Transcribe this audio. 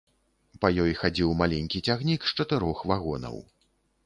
Па ёй хадзіў маленькі цягнік з чатырох вагонаў.